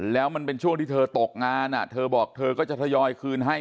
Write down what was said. แล้วมันเป็นช่วงที่เธอตกงานเธอบอกเธอก็จะทยอยคืนให้